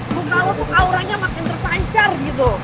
lo kalo tuh auranya makin terpancar gitu